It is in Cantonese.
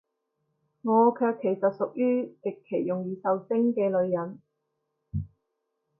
我卻其實屬於，極其容易受精嘅女人